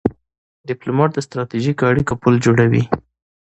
ډيپلومات د ستراتیژیکو اړیکو پل جوړوي.